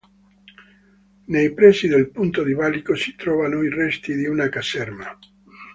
Nei pressi del punto di valico si trovano i resti di una caserma.